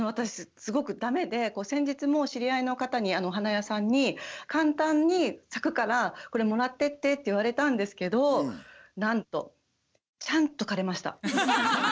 すごく駄目で先日も知り合いの方にお花屋さんに「簡単に咲くからこれもらってって」って言われたんですけどなんとちゃんと枯れました。